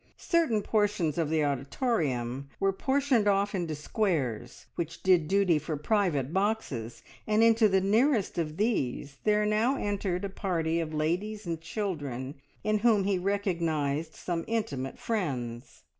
Certain portions of the auditorium were portioned off into squares, which did duty for private boxes, and into the nearest of these there now entered a party of ladies and children, in whom he recognised some intimate friends.